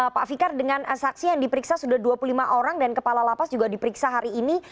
pak fikar dengan saksi yang diperiksa sudah dua puluh lima orang dan kepala lapas juga diperiksa hari ini